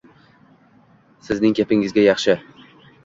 Sizning gapingizga yaxshi